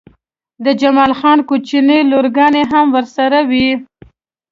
د جمال خان کوچنۍ لورګانې هم ورسره وې